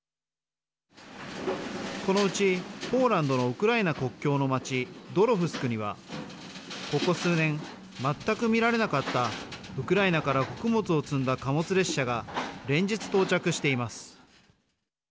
このうちポーランドのウクライナ国境の街ドロフスクにはここ数年、全く見られなかったウクライナから穀物を積んだ貨物列車が連日到着しています。